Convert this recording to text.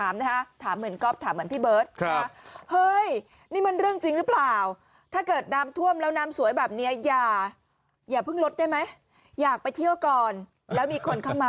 เลือกให้ดูความจริงที่นี่